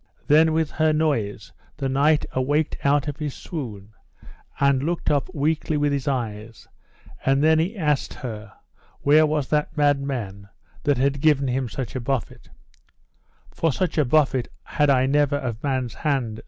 Then with her noise the knight awaked out of his swoon, and looked up weakly with his eyes; and then he asked her, where was that mad man that had given him such a buffet: For such a buffet had I never of man's hand.